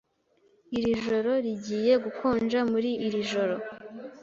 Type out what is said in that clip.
Iri joro rigiye gukonja muri iri joro.